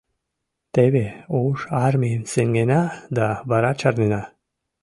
Теве ош армийым сеҥена да вара чарнена...